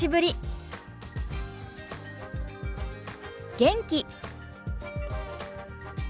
元気。